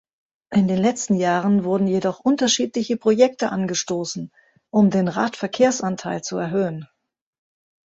In den letzten Jahren wurden jedoch unterschiedliche Projekte angestoßen, um den Radverkehrsanteil zu erhöhen.